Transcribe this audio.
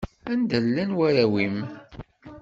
Anda llan warraw-im?